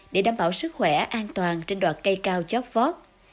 để đảm bảo sức khỏe an toàn trên đoạn cây cao chót vót